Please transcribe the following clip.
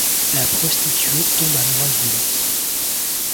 La prostituée tombe amoureuse de lui.